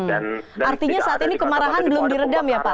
artinya saat ini kemarahan belum diredam ya pak